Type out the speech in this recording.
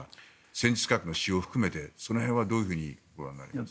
戦術核の使用も含めてその辺はどのようにご覧になります？